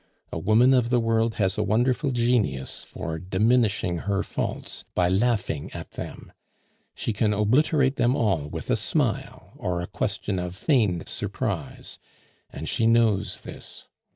A woman of the world has a wonderful genius for diminishing her faults by laughing at them; she can obliterate them all with a smile or a question of feigned surprise, and she knows this.